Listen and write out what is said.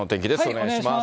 お願いします。